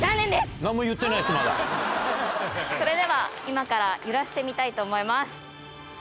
それでは今から揺らしてみたいと思います。